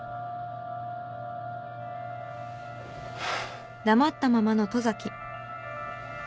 ハァ。